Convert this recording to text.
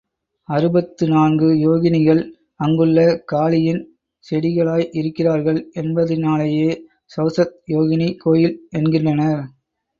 அறுபத்து நான்கு யோகினிகள் அங்குள்ள காளியின் செடிகளாய் இருக்கிறார்கள் என்பதினாலேயே சவுசத் யோகினி கோயில் என்கின்றனர்.